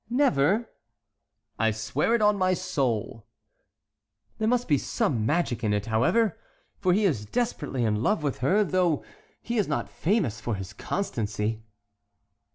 "Never?" "I swear it on my soul." "There must be some magic in it, however, for he is desperately in love with her, though he is not famous for his constancy."